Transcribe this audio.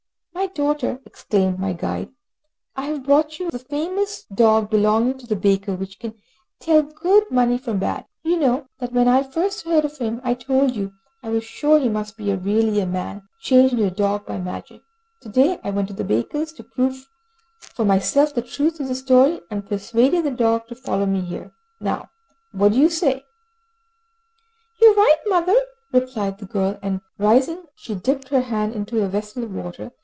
"My daughter," exclaimed my guide, "I have brought you the famous dog belonging to the baker which can tell good money from bad. You know that when I first heard of him, I told you I was sure he must be really a man, changed into a dog by magic. To day I went to the baker's, to prove for myself the truth of the story, and persuaded the dog to follow me here. Now what do you say?" "You are right, mother," replied the girl, and rising she dipped her hand into a vessel of water.